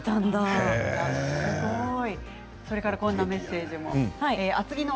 すごい。